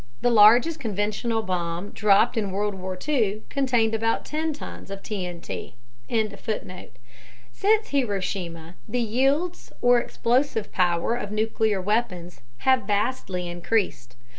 (The largest conventional bomb dropped in World War II contained about 10 tons of TNT.) Since Hiroshima, the yields or explosive power of nuclear weapons have vastly increased.